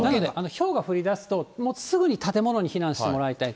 ひょうが降りだすと、すぐに建物に避難してもらいたい。